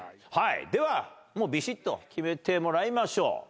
ではびしっと決めてもらいましょう。